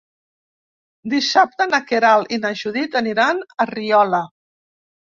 Dissabte na Queralt i na Judit aniran a Riola.